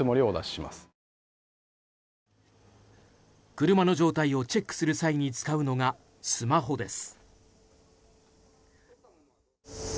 車の状態をチェックする際に使うのがスマホです。